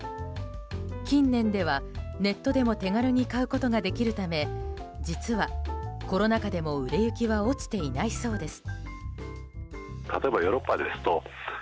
近年では、ネットでも手軽に買うことができるため実は、コロナ禍でも売れ行きは落ちていないそうです。